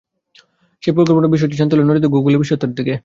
সেই পরিকল্পনা বিষয়টি জানতে হলে নজর দিতে হবে গুগলের বিশেষত্বের দিকে।